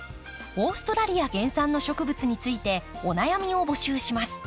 オーストラリア原産の植物についてお悩みを募集します。